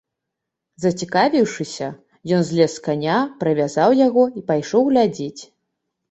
Зацікавіўшыся, ён злез з каня, прывязаў яго і пайшоў глядзець.